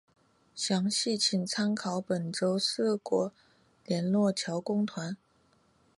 详细请参考本州四国联络桥公团。